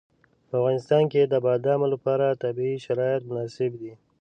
په افغانستان کې د بادامو لپاره طبیعي شرایط مناسب دي.